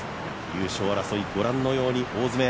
優勝争い、ご覧のように大詰め。